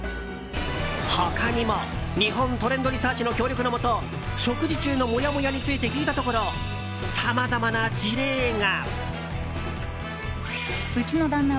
他にも、日本トレンドリサーチの協力のもと食事中のモヤモヤについて聞いたところ、さまざまな事例が。